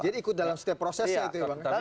jadi ikut dalam setiap prosesnya itu ya bang